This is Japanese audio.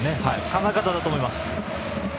考え方だと思います。